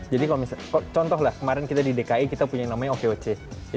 jadi kalau misalnya contoh lah kemarin kita di dki kita punya yang namanya oke oke